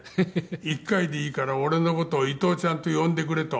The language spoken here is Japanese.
「一回でいいから俺の事伊東ちゃんと呼んでくれと」